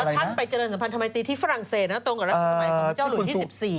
ท่านไปเจริญสัมพันธมัยตีที่ฝรั่งเศสตรงกับรัชสมัยของพระเจ้าหลุยที่๑๔